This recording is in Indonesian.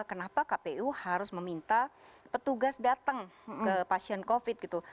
kenapa kpu harus meminta petugas datang ke pasien covid gitu